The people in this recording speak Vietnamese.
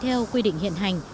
theo quy định hiện hành